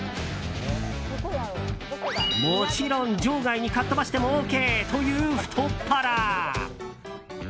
もちろん場外にかっ飛ばしてもＯＫという太っ腹。